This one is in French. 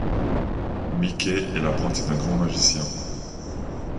Mickey est l'apprenti d'un grand Magicien.